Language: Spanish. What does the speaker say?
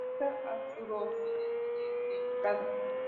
Se encuentra al suroccidente de Belgrado.